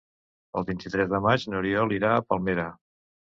El vint-i-tres de maig n'Oriol irà a Palmera.